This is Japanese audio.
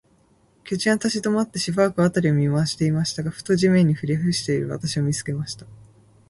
巨人は立ちどまって、しばらく、あたりを見まわしていましたが、ふと、地面にひれふしている私を、見つけました。